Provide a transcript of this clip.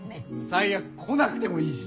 最悪来なくてもいいし。